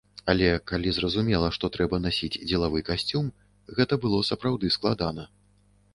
Але, калі зразумела, што трэба насіць дзелавы касцюм, гэта было сапраўды складана.